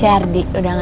ada api broadere ya